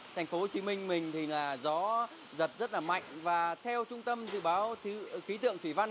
thành phố hồ chí minh mình thì là gió giật rất là mạnh và theo trung tâm dự báo khí tượng thủy văn